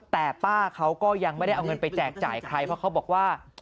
แต่ป้าเขาก็ยังไม่ได้เอาเงินไปแจกจ่ายใครเพราะเขาบอกว่า